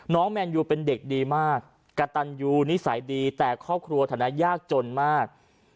แมนยูเป็นเด็กดีมากกระตันยูนิสัยดีแต่ครอบครัวฐานะยากจนมาก